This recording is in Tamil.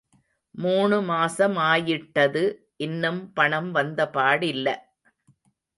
மூணு மாசமாயிட்டது... இன்னும் பணம் வந்தபாடில்ல.